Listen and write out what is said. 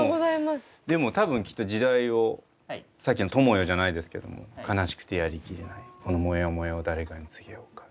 でも多分きっと時代をさっきの「友よ」じゃないですけども「悲しくてやりきれないこのモヤモヤをだれかに告げようか」。